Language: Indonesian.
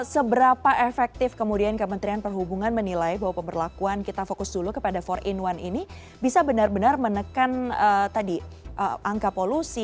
seberapa efektif kemudian kementerian perhubungan menilai bahwa pemberlakuan kita fokus dulu kepada empat in satu ini bisa benar benar menekan tadi angka polusi